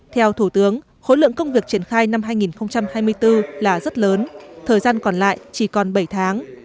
theo thủ tướng khối lượng công việc triển khai năm hai nghìn hai mươi bốn là rất lớn thời gian còn lại chỉ còn bảy tháng